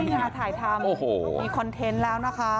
เฮ่ยนี่คุณมาถ่ายทำมีคอนเทนต์แล้วนะคะ